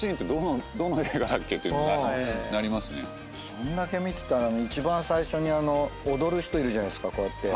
そんだけ見てたら一番最初に踊る人いるじゃないですかこうやって。